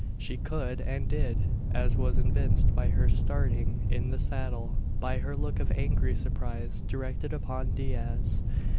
She could, and did; as was evinced by her starting in the saddle by her look of angry surprise directed upon Diaz.